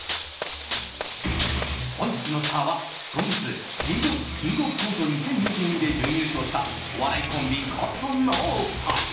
本日のスターは、先日「キングオブコント２０２２」で準優勝したお笑いコンビ、コットンのお二人。